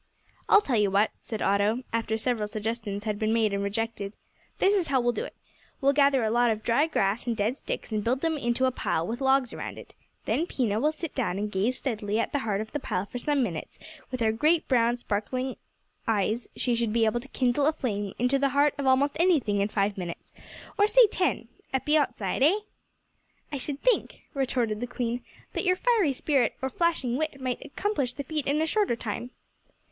"I'll tell you what," said Otto, after several suggestions had been made and rejected, "this is how we'll do it. We will gather a lot of dry grass and dead sticks and build them up into a pile with logs around it, then Pina will sit down and gaze steadily at the heart of the pile for some minutes with her great, brown, sparkling eyes she should be able to kindle a flame in the heart of almost anything in five minutes or, say ten, at the outside, eh?" "I should think," retorted the Queen, "that your fiery spirit or flashing wit might accomplish the feat in a shorter time."